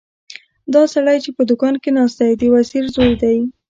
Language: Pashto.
دا سړی چې په دوکان کې ناست دی د وزیر زوی دی.